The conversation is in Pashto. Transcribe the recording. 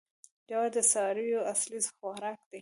جوار د څارویو اصلي خوراک دی.